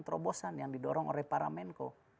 terobosan yang didorong oleh para menko